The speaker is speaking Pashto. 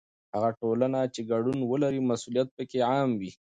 هغه ټولنه چې ګډون ولري، مسؤلیت پکې عام وي.